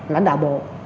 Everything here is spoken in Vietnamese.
lãnh đạo bộ